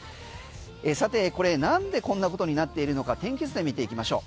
さてこれ何でこんなことになっているのか天気図で見ていきましょう。